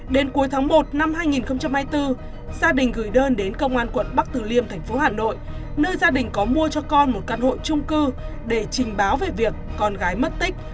đến cuối tháng một năm hai nghìn hai mươi bốn gia đình gửi đơn đến công an quận bắc từ liêm thành phố hà nội nơi gia đình có mua cho con một căn hộ trung cư để trình báo về việc con gái mất tích